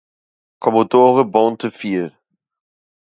Kommodore Bonte fiel.